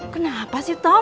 kenapa sih tom